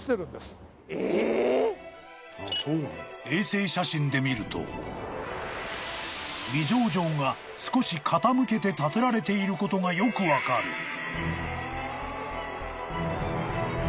［衛星写真で見ると二条城が少し傾けて建てられていることがよく分かる］